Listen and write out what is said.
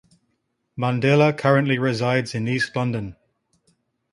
Mandella currently resides in East London.